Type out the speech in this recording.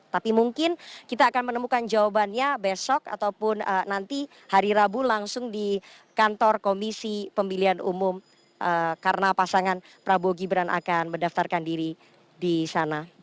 tapi mungkin kita akan menemukan jawabannya besok ataupun nanti hari rabu langsung di kantor komisi pemilihan umum karena pasangan prabowo gibran akan mendaftarkan diri di sana